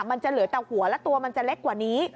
มันจะเหลือแต่หัวและตัวมันจะเล็กกว่านี้